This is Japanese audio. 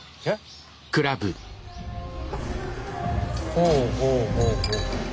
ほうほうほうほう。